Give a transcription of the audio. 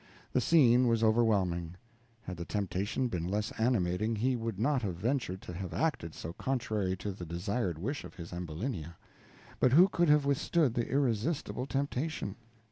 The scene was overwhelming; had the temptation been less animating, he would not have ventured to have acted so contrary to the desired wish of his Ambulinia; but who could have withstood the irrestistable temptation!